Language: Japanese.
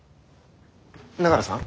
永浦さん。